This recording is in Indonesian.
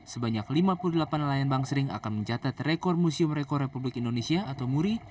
sebanyak lima puluh delapan nelayan bang sering akan mencatat rekor museum rekor republik indonesia atau muri